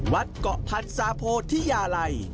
วัดเกาะพันธ์สาโพธิยาลัย